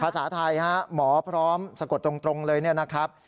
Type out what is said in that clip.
ภาษาไทยฮะหมอพร้อมสะกดตรงเลยเนี่ยนะครับ